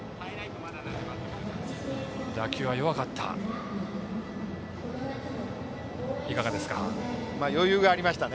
打球は弱かった。